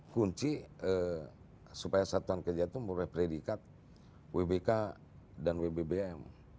kunci supaya satuan kerja itu merupakan predikat wbk dan wbbm